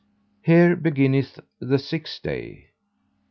Here beginneth the sixth day.